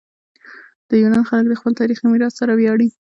د یونان خلک د خپل تاریخي میراث سره ویاړي.